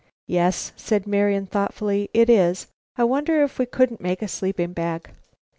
"Yes s," said Marian, thoughtfully, "it is. I wonder if we couldn't make a sleeping bag?"